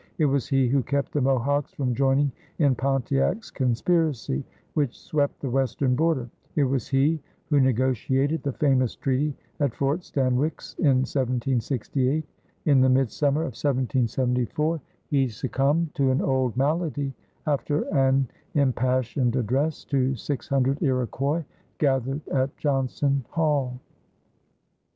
It was he who kept the Mohawks from joining in Pontiac's conspiracy which swept the western border; it was he who negotiated the famous treaty at Fort Stanwix in 1768. In the midsummer of 1774 he succumbed to an old malady after an impassioned address to six hundred Iroquois gathered at Johnson Hall.